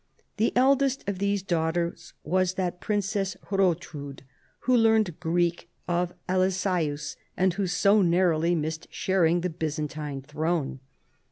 The eldest of these daughters was that princess Ilrotrud who learned Greek of Elissseus, and who so narrowly missed sharing the Byzantine throne.